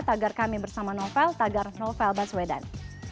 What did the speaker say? tagar kami bersama novel tagar novel baswedan